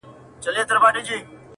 تل زاړه کفن کښان له خدایه غواړي-